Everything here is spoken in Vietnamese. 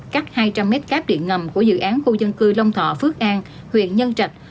cắt hai trăm linh m cáp điện ngầm của dự án khu dân cư long thọ phước an huyện nhân trạch